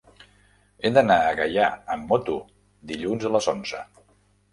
He d'anar a Gaià amb moto dilluns a les onze.